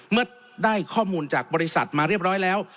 เมื่อได้ข้อมูลจากบริษัทมาเรียบร้อยแล้ว